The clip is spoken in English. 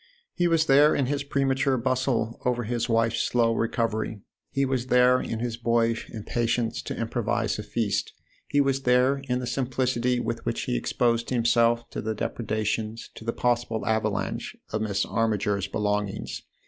He was there in his premature bustle over his wife's slow recovery ; he was there in his boyish impatience to improvise a feast ; he was there in the simplicity with which he exposed himself to the depredations, to the possible avalanche, of Miss Armiger's belong ings.